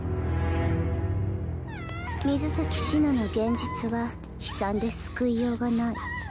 水崎紫乃の現実は悲惨で救いようがない。